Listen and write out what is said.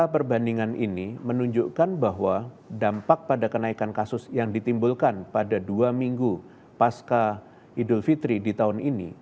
perbandingan ini menunjukkan bahwa dampak pada kenaikan kasus yang ditimbulkan pada dua minggu pasca idul fitri di tahun ini